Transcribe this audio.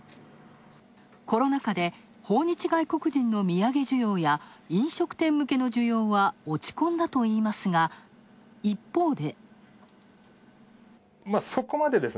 コロナ禍で訪日外国人の土産需要や飲食店の需要は落ち込んだといいますが一方で。